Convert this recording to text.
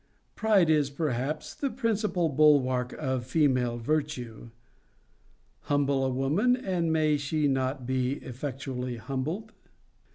Pride is perhaps the principal bulwark of female virtue. Humble a woman, and may she not be effectually humbled?